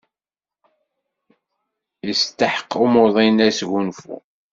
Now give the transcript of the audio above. Yesteḥq umuḍin asgunfu.